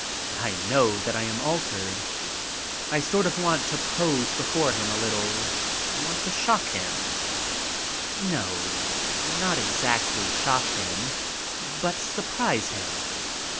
I know that I am altered. I sort of want to pose before him a little. I want to shock him; no, not exactly shock him, but surprise him.